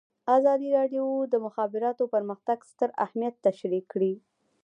ازادي راډیو د د مخابراتو پرمختګ ستر اهميت تشریح کړی.